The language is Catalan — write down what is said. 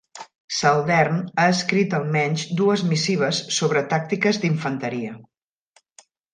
Saldern ha escrit almenys dues missives sobre tàctiques d'infanteria.